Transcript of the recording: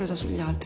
って